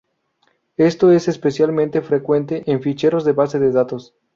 Esto es especialmente frecuente en ficheros de bases de datos.